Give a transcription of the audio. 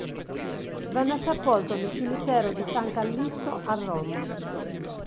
Venne sepolto nel cimitero di San Callisto a Roma.